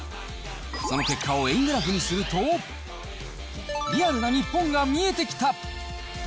その結果を円グラフにすると、リアルな日本が見えてきた。